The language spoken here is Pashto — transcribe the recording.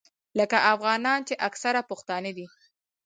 لکه افغانان چې اکثره پښتانه دي.